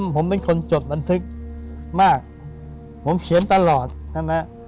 ผมเป็นคนจดบันทึกมากผมเขียนตลอดใช่ไหม